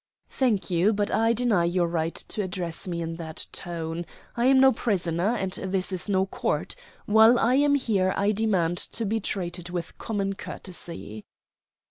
"Thank you, but I deny your right to address me in that tone. I am no prisoner, and this is no court. While I am here I demand to be treated with common courtesy."